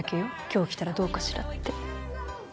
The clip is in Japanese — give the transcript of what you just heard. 今日着たらどうかしらって。